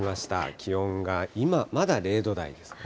気温が今、まだ０度台ですね。